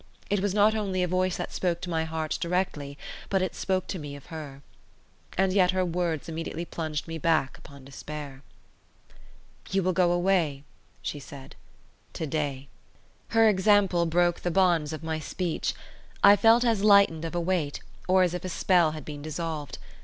It was not only a voice that spoke to my heart directly; but it spoke to me of her. And yet her words immediately plunged me back upon despair. "You will go away," she said, "to day." Her example broke the bonds of my speech; I felt as lightened of a weight, or as if a spell had been dissolved.